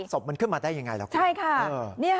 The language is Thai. ศพมันขึ้นมาได้อย่างไรล่ะคุณ